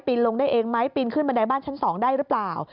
ลงได้เองไหมปีนขึ้นบันไดบ้านชั้น๒ได้หรือเปล่า